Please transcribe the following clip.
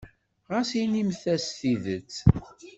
Ɣas inimt-as tidet.